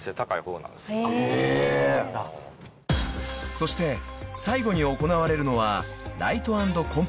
［そして最後に行われるのは］